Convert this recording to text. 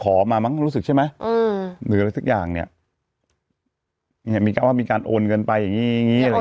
มามั้งรู้สึกใช่ไหมเออหรืออะไรสักอย่างเนี่ยมีการว่ามีการโอนเงินไปอย่างงี้อย่างงี้อะไรอย่าง